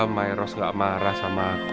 myros gak marah sama aku